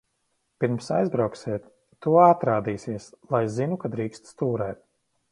Pirms aizbrauksiet, tu atrādīsies, lai zinu, ka drīksti stūrēt.